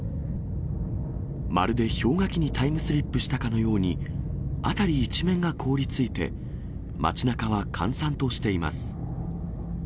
まるで氷河期にタイムスリップしたかのように、辺り一面が凍りついて、町なかは閑散としています。